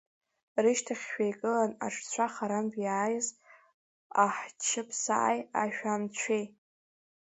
Рышьҭахьшәа игылан аҽцәа харантә иааз аҳҷыԥсааи ашәанцәеи.